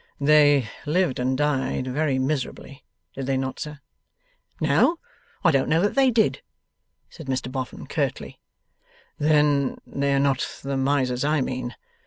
'They lived and died very miserably. Did they not, sir?' 'No, I don't know that they did,' said Mr Boffin, curtly. 'Then they are not the Misers I mean.